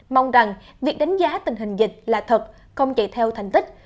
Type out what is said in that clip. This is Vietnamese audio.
mong rằng việc đánh giá tình hình dịch là thật không chạy theo thành tích